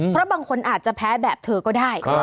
เพราะบางคนอาจจะแพ้แบบเธอก็ได้